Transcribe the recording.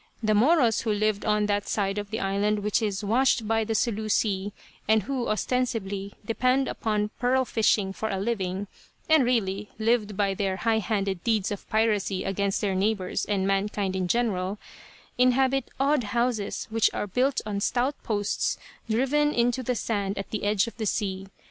The Moros who live on that side of the island which is washed by the Sulu Sea, and who ostensibly depend upon pearl fishing for a living, and really lived by their high handed deeds of piracy against their neighbors and mankind in general, inhabit odd houses which are built on stout posts driven into the sand at the edge of the sea.